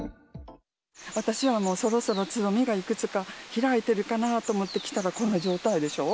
私はもうそろそろつぼみがいくつか開いてるかなと思って来たら、こんな状態でしょう。